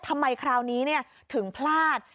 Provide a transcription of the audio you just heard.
ทำไมคราวนี้ถึงพลาด